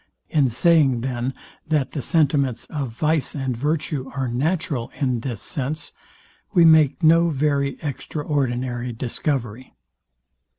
In saying, then, that the sentiments of vice and virtue are natural in this sense, we make no very extraordinary discovery.